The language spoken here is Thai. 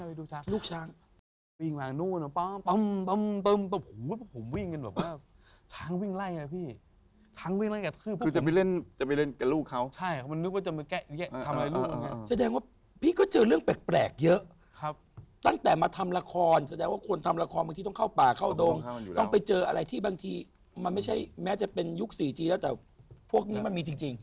วิ่งว่างนู่นก็ต้มต้นต้นผมก็วิ่งกันแบบว่าช้างวิ่งไล่อะพี่